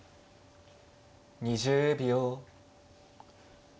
２０秒。